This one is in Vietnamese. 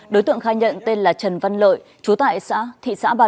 đối tượng khai nhận tên là trần văn lợi chú tại thị xã bà đồn